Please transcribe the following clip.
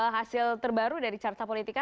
hasil terbaru dari carta politika